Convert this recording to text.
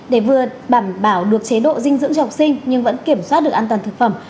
để vừa đảm bảo được chế độ dinh dưỡng cho học sinh nhưng vẫn kiểm soát được an toàn thực phẩm